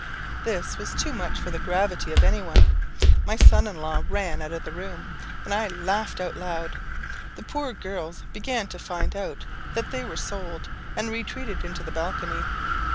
This was too much for the gravity of any one. My son in law ran out of the room, and I laughed aloud. The poor girls began to find out that they were sold, and retreated into the balcony.